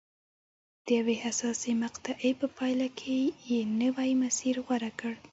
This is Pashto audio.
د یوې حساسې مقطعې په پایله کې یې نوی مسیر غوره کړ.